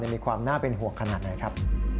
มีความน่าเป็นห่วงขนาดไหนครับ